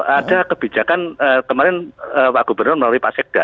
ada kebijakan kemarin pak gubernur melalui pak sekda